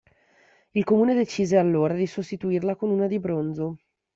Il Comune decise, allora, di sostituirla con una in bronzo.